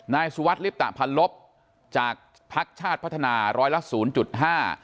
นายสุวัสดิ์ลิปตะพันลบจากพักฯชาติพัฒนาร้อยละ๐๕